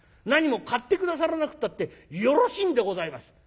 なにも買って下さらなくったってよろしいんでございます』。